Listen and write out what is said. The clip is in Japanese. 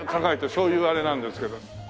そういうあれなんですけど。